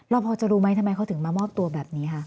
พอจะรู้ไหมทำไมเขาถึงมามอบตัวแบบนี้คะ